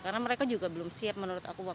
karena mereka juga belum siap menurut aku